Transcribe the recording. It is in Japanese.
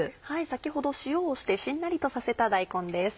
先ほど塩をしてしんなりとさせた大根です。